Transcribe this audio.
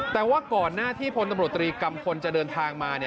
แต่ว่าก่อนหน้าที่พลตำรวจตรีกัมพลจะเดินทางมา